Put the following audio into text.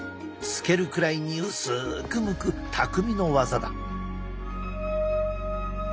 透けるくらいに薄くむく匠のワザだ。